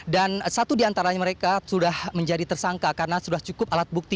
dan satu diantaranya mereka sudah menjadi tersangka karena sudah cukup alat bukti